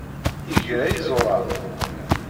Yegra iẓuran.